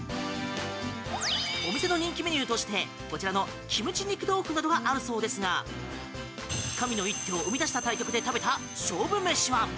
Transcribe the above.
お店の人気メニューとしてこちらのキムチ肉豆腐などがあるそうですが神の一手を生み出した対局で食べた勝負飯は。